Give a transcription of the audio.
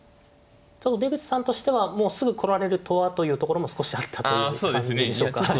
ちょっと出口さんとしてはもうすぐ来られるとはというところも少しあったという感じでしょうか。